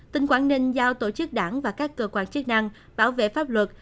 tỉnh quảng ninh giao tổ chức đảng và các cơ quan chức năng bảo vệ pháp luật